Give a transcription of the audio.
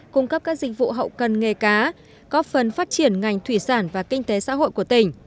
cung cấp các dịch vụ hậu cần nghề cá có phần phát triển ngành thủy sản và kinh tế xã hội của tỉnh